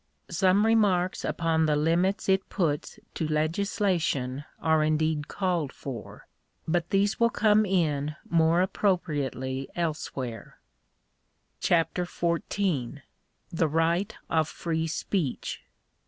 Some remarks upon the limits it puts to legislation are indeed called for. But these will come in more appropriately elsewhere. l 2 Digitized by VjOOQIC CHAPTER XIV. THE RIGHT 01 FREE SPEECH.